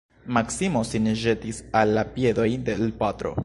Maksimo sin ĵetis al la piedoj de l' patro.